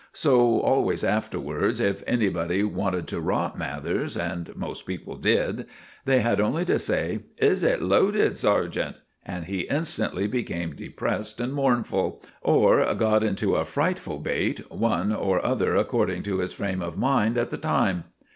So always, afterwards, if anybody wanted to rot Mathers, and most people did, they had only to say, "Is it loaded, sergeant?" and he instantly became depressed and mournful, or got into a frightful bate—one or other according to his frame of mind at the time.